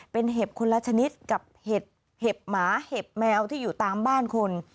เป็นเห็บคนละชนิดกับเห็ดหมาเห็บแมวที่อยู่ตามบ้านคน